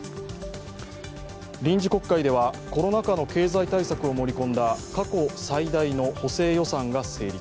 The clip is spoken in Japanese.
臨時国会ではコロナ禍の経済対策を盛り込んだ過去最大の補正予算が成立。